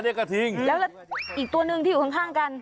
กระทิงแล้วอีกตัวหนึ่งที่อยู่ข้างกัน